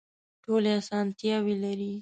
ټولې اسانتیاوې لري.